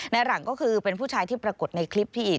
หลังก็คือเป็นผู้ชายที่ปรากฏในคลิปที่อีก